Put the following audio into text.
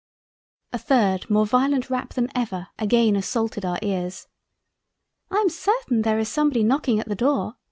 A third more violent Rap than ever again assaulted our ears. "I am certain there is somebody knocking at the Door."